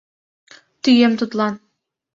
- тӱем тудлан.